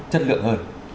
chất lượng hơn